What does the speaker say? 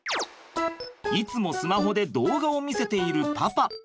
いつもスマホで動画を見せているパパ。